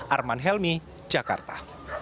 arman helmi jakarta